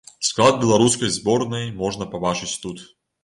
Склад беларускай зборнай можна пабачыць тут.